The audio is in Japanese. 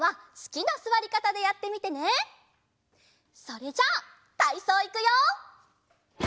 それじゃたいそういくよ！